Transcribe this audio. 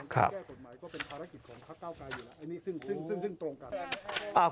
ครับ